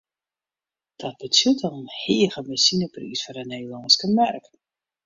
Dat betsjut dan in hege benzinepriis foar de Nederlânske merk.